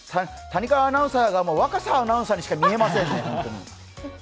谷川アナウンサーが若狭アナウンサーにしか見えませんね。